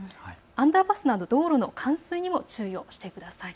アンダーパスなど道路の冠水にも注意をしてください。